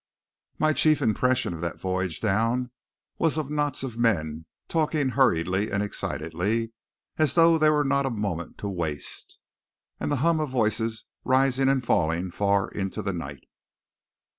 So my chief impression of that voyage down was of knots of men talking hurriedly and excitedly, as though there were not a moment to waste; and the hum of voices rising and falling far into the night.